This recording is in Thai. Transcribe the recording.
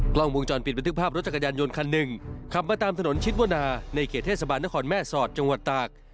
กล้องวงจรปิดบันทึกภาพรถจักรยานยนต์คันหนึ่งขับมาตามถนนชิดวนาในเขตเทศบาลนครแม่สอดจังหวัดตาก